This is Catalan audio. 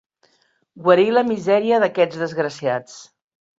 Guarir la misèria d'aquests desgraciats.